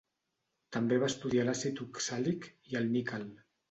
També va estudiar l'àcid oxàlic i el níquel.